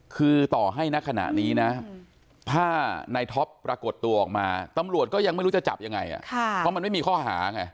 คือต่อให้ณขณะนี้นะถ้าในท็อปปรากฏตัวออกมาตำรวจก็ยังไม่รู้จะจับยังไงเพราะมันไม่มีข้อหาไง